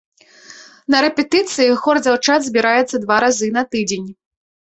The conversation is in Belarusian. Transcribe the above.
На рэпетыцыі хор дзяўчат збіраецца два разы на тыдзень.